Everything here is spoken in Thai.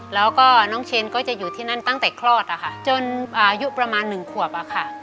แล้วก็น้องเชนก็จะอยู่ที่นั่นตั้งแต่คลอดอะค่ะจนอายุประมาณหนึ่งขวบอะค่ะ